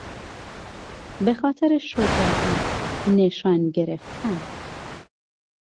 به خاطر شجاعت نشان گرفتن